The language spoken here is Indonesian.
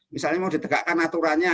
misalnya mau ditegakkan aturannya